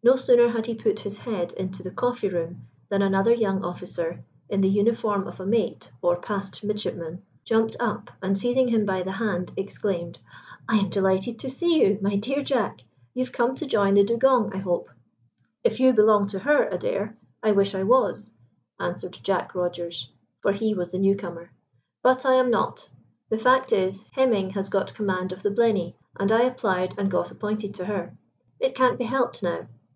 No sooner had he put his head into the coffee room, than another young officer, in the uniform of a mate or passed midshipman, jumped up, and, seizing him by the hand, exclaimed "I am delighted to see you, my dear Jack. You've come to join the Dugong, I hope." "If you belong to her, Adair, I wish I was," answered Jack Rogers, for he was the new comer. "But I am not. The fact is, Hemming has got command of the Blenny, and I applied and got appointed to her. It can't be helped now.